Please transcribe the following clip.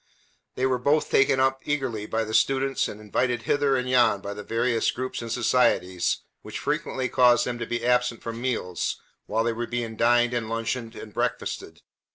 They were both taken up eagerly by the students and invited hither and yon by the various groups and societies, which frequently caused them to be absent from meals while they were being dined and lunched and breakfasted.